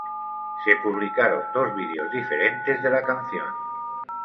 Se publicaron dos vídeos diferentes de la canción.